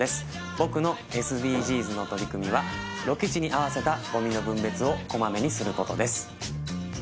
僕のＳＤＧｓの取り組みはロケ地に合わせたゴミの分別をこまめにすることです